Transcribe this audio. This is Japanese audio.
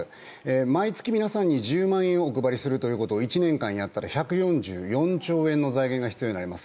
毎月皆さんに１０万円をお配りすることを１年間やったら１４４兆円の財源が必要になります。